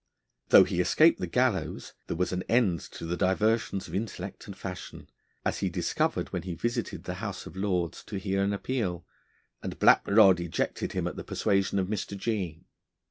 Though he escaped the gallows, there was an end to the diversions of intellect and fashion; as he discovered when he visited the House of Lords to hear an appeal, and Black Rod ejected him at the persuasion of Mr. G